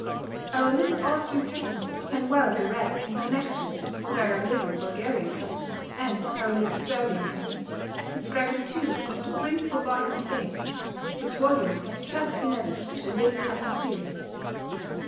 =Our Little Austrian Cousin= can well be read in connection with OUR LITTLE BULGARIAN COUSIN and OUR LITTLE SERVIAN COUSIN, describing two of the principal Balkan States, which volumes have just been added to THE LITTLE COUSIN SERIES.